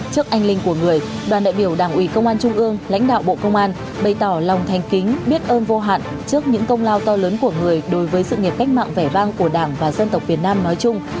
trước anh linh của người đoàn đại biểu đảng ủy công an trung ương lãnh đạo bộ công an bày tỏ lòng thanh kính biết ơn vô hạn trước những công lao to lớn của người đối với sự nghiệp cách mạng vẻ vang của đảng và dân tộc việt nam nói chung